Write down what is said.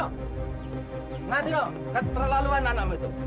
lhatano keterlaluan anakmu itu